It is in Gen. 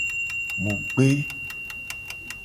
Mu gbe.